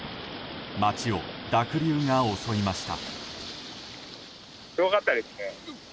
街を濁流が襲いました。